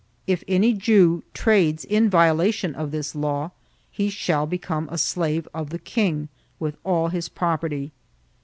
If any Jew trades in violation of this law he shall become a slave of the king, with all his property.